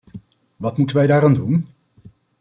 Wat moeten wij daaraan doen?